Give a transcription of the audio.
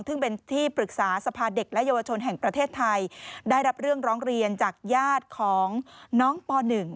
ซึ่งเป็นที่ปรึกษาสภาเด็กและเยาวชนแห่งประเทศไทยได้รับเรื่องร้องเรียนจากญาติของน้องป๑